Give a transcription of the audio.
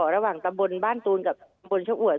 ระหว่างตำบลบ้านตูนกับตำบลชะอวด